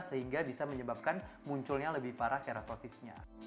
sehingga bisa menyebabkan munculnya lebih parah terakosisnya